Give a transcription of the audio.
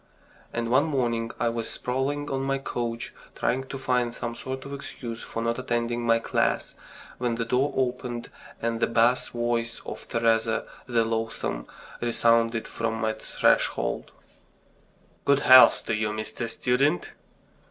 And one morning I was sprawling on my couch, trying to find some sort of excuse for not attending my class, when the door opened, and the bass voice of Teresa the loathsome resounded from my threshold: "Good health to you, Mr. Student!"